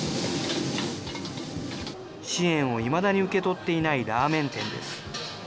支援をいまだに受け取っていないラーメン店です。